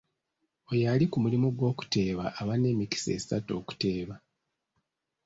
Oyo ali ku mulimu gw’okuteeba aba n’emikisa esatu okuteeba.